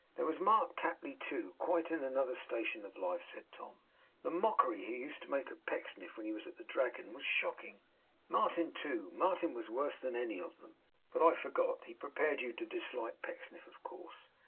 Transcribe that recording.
There was Mark Tapley, too, quite in another station of life,' said Tom; 'the mockery he used to make of Pecksniff when he was at the Dragon was shocking. Martin too: Martin was worse than any of 'em. But I forgot. He prepared you to dislike Pecksniff, of course.